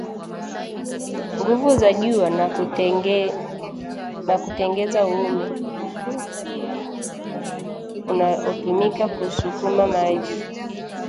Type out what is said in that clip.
nguvu za jua na kutengeza umeme unaotumika kusukuma maji